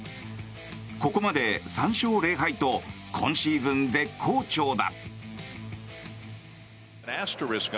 ここまで３勝０敗と今シーズン絶好調だ。